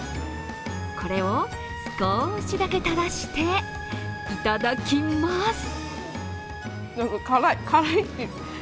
これを、すこーしだけ垂らしていただきます。